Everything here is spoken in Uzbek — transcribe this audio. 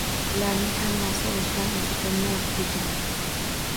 Bularning hammasi o`zidan o`zi bo`lmaydi, degandi